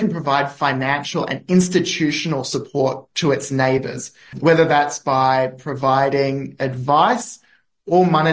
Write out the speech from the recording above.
untuk membuat institusi institusi ini